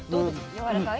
やわらかい？